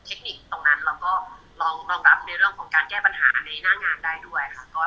เทคนิคตรงนั้นเราก็รองรับในเรื่องของการแก้ปัญหาในหน้างานได้ด้วยค่ะ